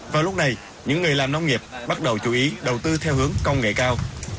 vào lúc này những người làm nông nghiệp bắt đầu chú ý đầu tư theo hướng công nghệ cao